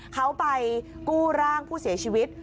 เขาไปกู้ร่างผู้เสียชีวิต